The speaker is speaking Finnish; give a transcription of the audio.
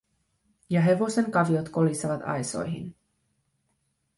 Ja hevosen kaviot kolisevat aisoihin.